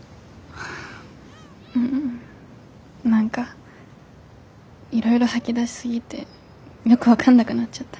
うん何かいろいろ吐き出し過ぎてよく分かんなくなっちゃった。